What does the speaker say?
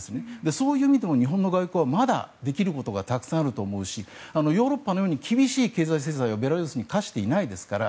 そういう意味でも日本の外交はまだできることがたくさんあると思うしヨーロッパのように厳しい経済制裁をベラルーシに科していないですから。